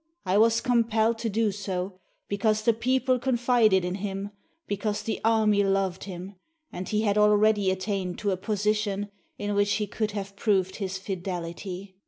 I was compelled to do so, because the people confided in him, because the army loved him, and he had already attained to a position in which he could have proved his fidelity!